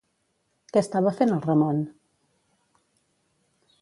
Què estava fent el Ramon?